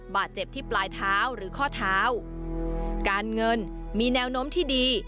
บาดเจ็บที่ปลายเท้าหรือข้อเท้าการเงินมีแนวโน้มที่ดี